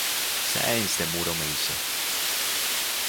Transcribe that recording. Sáenz de Muro me hizo.